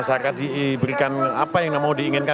masyarakat diberikan apa yang mau diinginkan